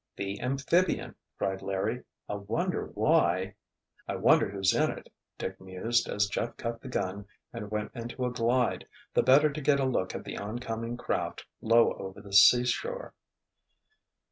"The amphibian!" cried Larry. "I wonder why——" "I wonder who's in it?" Dick mused as Jeff cut the gun and went into a glide, the better to get a look at the oncoming craft low over the seashore.